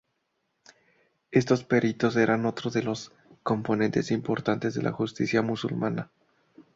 Estos peritos eran otro de los componentes importantes de la Justicia musulmana.